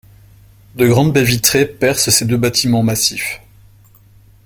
De grandes baies vitrées percent ses deux bâtiments massifs.